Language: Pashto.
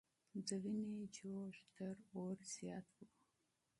د وینو جوش تر اور زیات و.